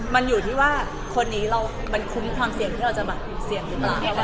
มันอยู่ที่ว่าคนนี้มันคุ้มความเสี่ยงที่เราจะแบบเสี่ยงหรือเปล่า